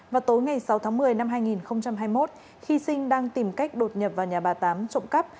vào tối ngày sáu tháng một mươi năm hai nghìn hai mươi một khi sinh đang tìm cách đột nhập vào nhà bà tám trộm cắp